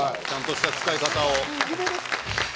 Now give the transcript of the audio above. ちゃんとした使い方を。